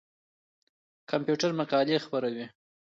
کمپيوټر مقالې خپروي.